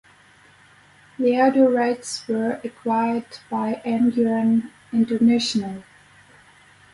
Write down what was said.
The audio rights were acquired by Ayngaran International.